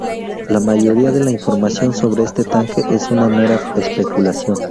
La mayoría de la información sobre este tanque es una mera especulación.